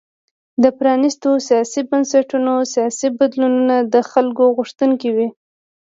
د پرانیستو سیاسي بنسټونو سیاسي بدلونونه د خلکو غوښتنې وې.